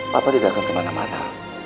papa tidak akan kemana mana